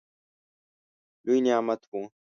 لوی نعمت وو.